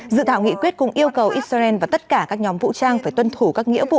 dự thảo nghị quyết cũng yêu cầu israel và tất cả các nhóm vũ trang phải tuân thủ các nghĩa vụ